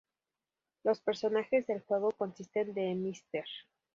Los personajes del juego consisten de Mr.